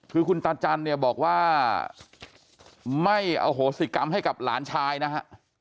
คือคุณตาจันเนี่ยบอกว่าไม่อโหสิกรรมให้กับหลานชายนะฮะ